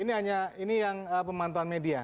ini hanya ini yang pemantauan media